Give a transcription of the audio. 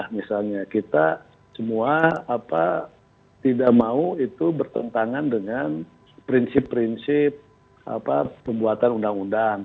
misalnya kita semua tidak mau itu bertentangan dengan prinsip prinsip pembuatan undang undang